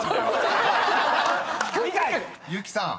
［結木さん